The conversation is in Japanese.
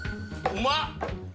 うまっ！